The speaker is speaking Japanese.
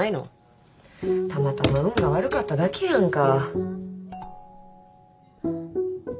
たまたま運が悪かっただけやんか。